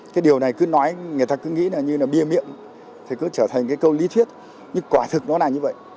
cái điều này cứ nói người ta cứ nghĩ là như là bia miệng thì cứ trở thành cái câu lý thuyết nhưng quả thực nó là như vậy